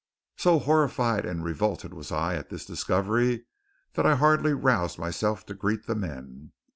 So horrified and revolted was I at this discovery that I hardly roused myself to greet the men.